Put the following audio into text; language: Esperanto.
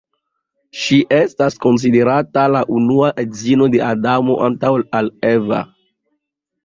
Ŝi estas konsiderata la unua edzino de Adamo, antaŭa al Eva.